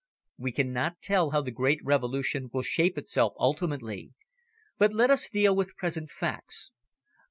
"We cannot tell how the great Revolution will shape itself ultimately. But let us deal with present facts.